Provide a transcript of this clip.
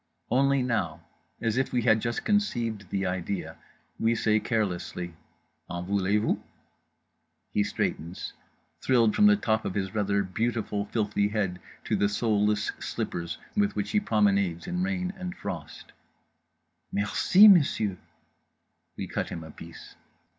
Only now, as if we had just conceived the idea, we say carelessly "en voulez vous?" He straightens, thrilled from the top of his rather beautiful filthy head to the soleless slippers with which he promenades in rain and frost: "Merci, Monsieur!" We cut him a piece.